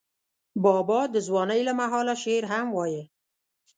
بابا د ځوانۍ له مهاله شعر هم وایه.